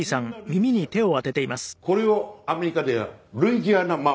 これをアメリカでは『ルイジアナ・ママ』。